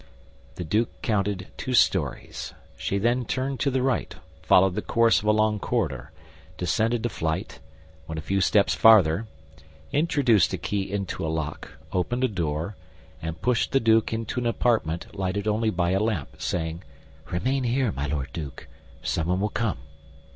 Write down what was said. The duke counted two stories. She then turned to the right, followed the course of a long corridor, descended a flight, went a few steps farther, introduced a key into a lock, opened a door, and pushed the duke into an apartment lighted only by a lamp, saying, "Remain here, my Lord Duke; someone will come."